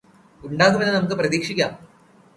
ഉണ്ടാകുമെന്ന് നമുക്ക് പ്രതീക്ഷിക്കാം